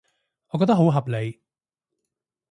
我覺得好合理